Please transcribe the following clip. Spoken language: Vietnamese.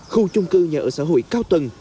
khu trung cư nhà ở xã hội cao tầng